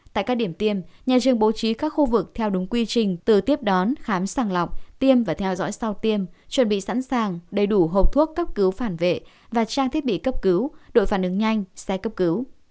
tại các điểm tiêm nhà riêng bố trí các khu vực theo đúng quy trình từ tiếp đón khám sàng lọc tiêm và theo dõi sau tiêm chuẩn bị sẵn sàng đầy đủ hộp thuốc cấp cứu phản vệ và trang thiết bị cấp cứu đội phản ứng nhanh xe cấp cứu